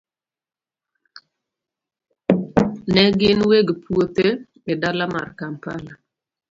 Ne gin weg puothe e dala mar Kampala.